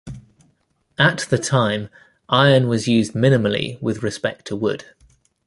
At the time, iron was used minimally with respect to wood.